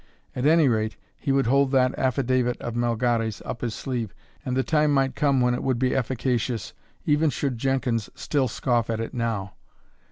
At any rate, he would hold that affidavit of Melgares' up his sleeve, and the time might come when it would be efficacious, even should Jenkins still scoff at it now.